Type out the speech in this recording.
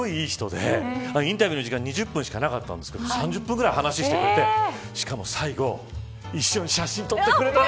ラーズさん、すごいいい人でインタビューの時間２０分しかなかったんですけど３０分ぐらい話してくれてしかも最後これですね。